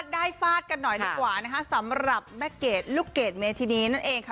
ฟาดกันหน่อยดีกว่านะคะสำหรับแม่เกดลูกเกดเมธินีนั่นเองค่ะ